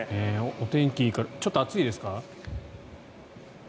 お天気いいからちょっと暑いですか？